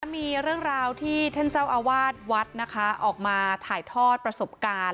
มีเรื่องราวที่ท่านเจ้าอาวาสวัดนะคะออกมาถ่ายทอดประสบการณ์